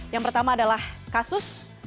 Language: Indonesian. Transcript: yang pertama adalah kasus